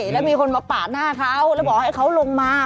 แล้วมีคนมาปาดหน้าเขาแล้วบอกให้เขาลงมา